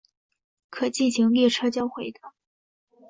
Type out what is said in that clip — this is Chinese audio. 可进行列车交会的。